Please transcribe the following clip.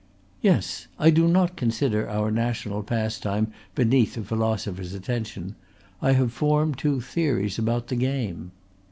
"Yes. I do not consider our national pastime beneath a philosopher's attention. I have formed two theories about the game."